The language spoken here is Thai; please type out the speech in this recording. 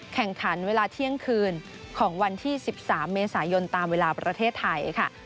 แข่งขันเวลาเที่ยงคืนของวันที่๑๓เมษายนตามเวลาประเทศไทยค่ะ